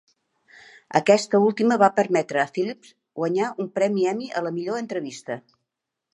Aquesta última va permetre a Phillips guanyar un premi Emmy a la Millor Entrevista.